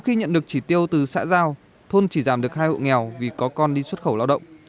khi nhận được chỉ tiêu từ xã giao thôn chỉ giảm được hai hộ nghèo vì có con đi xuất khẩu lao động